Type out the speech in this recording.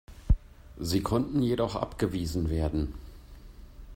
Sie konnten jedoch abgewiesen werden.